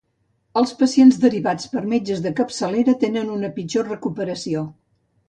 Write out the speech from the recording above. Els pacients derivats per metges de capçalera tenen una pitjor recuperació.